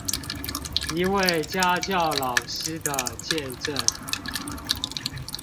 一位家教老師的見證